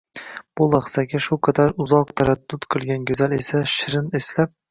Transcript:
bu lahzaga shu qadar uzoq taraddud qilgan go‘zal esa shirin esnab: